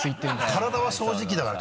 体は正直だから。